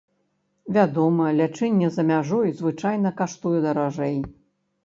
Вядома, лячэнне за мяжой звычайна каштуе даражэй.